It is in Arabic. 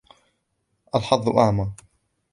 الحظ أعمى.